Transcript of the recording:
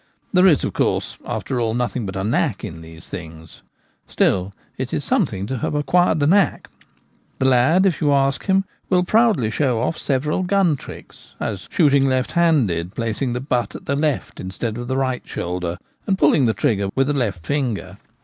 There is, of course, after all, nothing but a knack in these things. Still it is some thing to have acquired the knack. The lad, if you ask him, will proudly show off several gun tricks, as shoot ing lefthanded, placing the butt at the left instead of the right shoulder and pulling the trigger with the left finger.